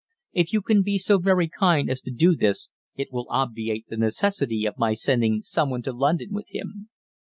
If you can be so very kind as to do this it will obviate the necessity of my sending someone to London with him.